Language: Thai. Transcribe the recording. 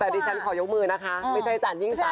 แต่ดิฉันขอยกมือนะคะไม่ใช่อาจารย์ยิ่งสัตว์ค่ะ